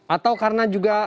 atau karena juga